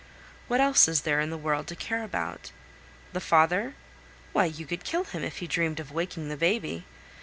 What else is there in the world to care about? The father? Why, you could kill him if he dreamed of waking the baby!